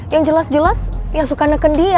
yang jelas jelas ya suka neken dia